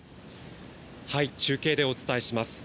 中継でお伝えします。